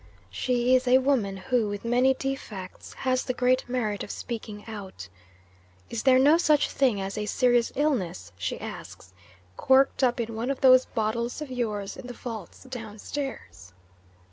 She is a woman who, with many defects, has the great merit of speaking out. "Is there no such thing as a serious illness," she asks, "corked up in one of those bottles of yours in the vaults downstairs?"